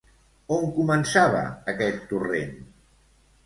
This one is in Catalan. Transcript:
On començava aquest torrent?